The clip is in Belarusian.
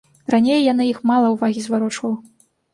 Раней я на іх мала ўвагі зварочваў.